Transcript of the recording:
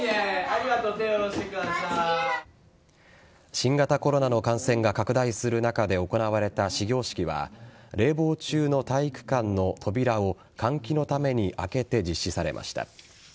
新型コロナの感染が拡大する中で行われた始業式は冷房中の体育館の扉を換気のために開けて実施されました。